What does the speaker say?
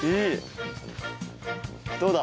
どうだ？